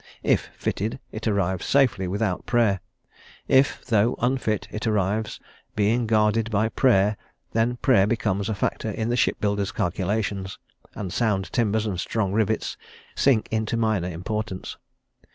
If fitted, it arrives safely without Prayer; if, though unfit, it arrives, being guarded by Prayer, then Prayer becomes a factor in the shipbuilder's calculations, and sound timbers and strong rivets sink into minor importance.